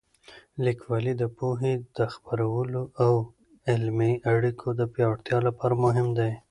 لیکوالی د پوهې د خپرولو او د علمي اړیکو د پیاوړتیا لپاره مهم دی.